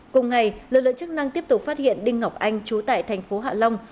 cùng ngày lực lượng chức năng tiếp tục phát hiện đinh ngọc anh trú tại tp hạ long